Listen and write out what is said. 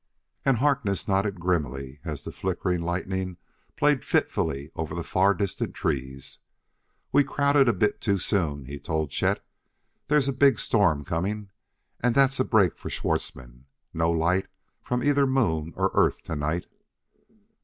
And Harkness nodded grimly as the flickering lightning played fitfully over far distant trees. "We crowed a bit too soon," he told Chet; "there's a big storm coming, and that's a break for Schwartzmann. No light from either moon or Earth to night."